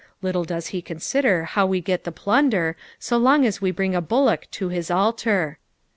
Little does he consider how we get the plunder, so long ss we bring a bullock to his altar."